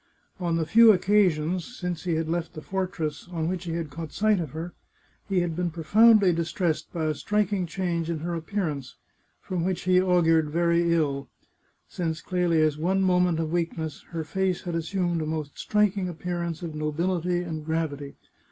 On the few occasions, since he had left the fortress, on which he had caught sight of her, he had been profoundly distressed by a striking change in her appear ance, from which he augured very ill. Since Clelia's one moment of weakness her face had assumed a most striking appearance of nobility and gravity.